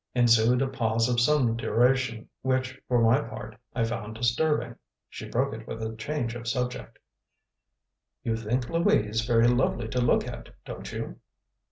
Ensued a pause of some duration, which, for my part, I found disturbing. She broke it with a change of subject. "You think Louise very lovely to look at, don't you?"